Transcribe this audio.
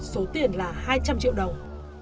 số tiền là hai trăm linh triệu đồng